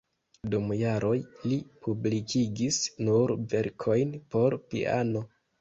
Dum jaroj li publikigis nur verkojn por piano.